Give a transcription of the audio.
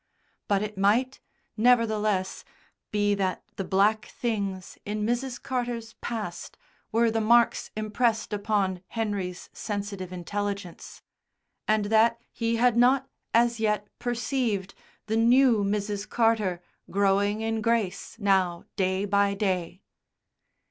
But it might, nevertheless, be that the black things in Mrs. Carter's past were the marks impressed upon Henry's sensitive intelligence; and that he had not, as yet, perceived the new Mrs. Carter growing in grace now day by day.